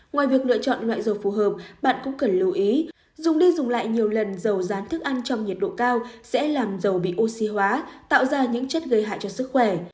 ngoài việc lựa chọn loại dầu phù hợp bạn cũng cần lưu ý dùng đi dùng lại nhiều lần dầu dán thức ăn trong nhiệt độ cao sẽ làm dầu bị oxy hóa tạo ra những chất gây hại cho sức khỏe